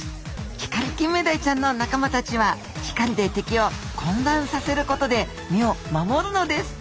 ヒカリキンメダイちゃんの仲間たちは光で敵を混乱させることで身を守るのです。